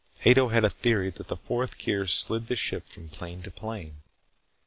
Ato had a theory that the Fourth Gear slid the ship from plane to plane.